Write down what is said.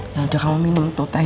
ya udah kamu minum tuh tehnya